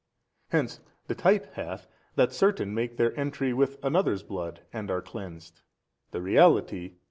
Hence the type hath, that certain make their entry with another's blood and are cleansed: the reality, i.